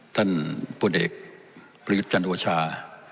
ท่านผู้เด็กประยุทธ์จันทรวชา